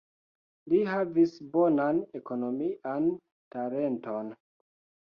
Li havis bonan ekonomian talenton.